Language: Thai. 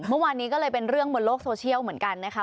เมื่อวานนี้ก็เลยเป็นเรื่องบนโลกโซเชียลเหมือนกันนะคะ